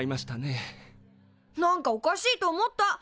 何かおかしいと思った。